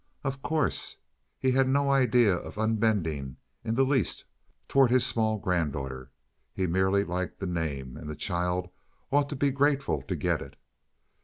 Of course he had no idea of unbending in the least toward his small granddaughter. He merely liked the name, and the child ought to be grateful to get it.